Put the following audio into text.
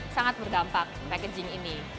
sangat berdampak packaging ini